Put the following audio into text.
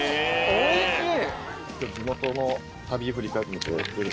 おいしい！